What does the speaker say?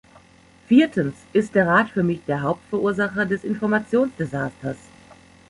Viertens ist der Rat für mich der Hauptverursacher des Informationsdesasters.